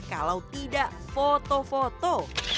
kalau tidak foto foto